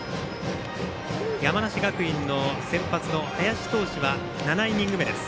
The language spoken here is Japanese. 山梨学院の先発の林投手は７イニング目です。